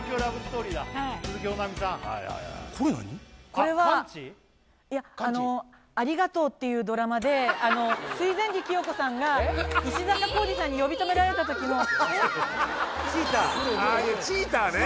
これはいや「ありがとう」っていうドラマで水前寺清子さんが石坂浩二さんに呼び止められた時の「えっ」チータああチータね